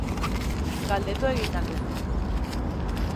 Galdu egingo al duzu?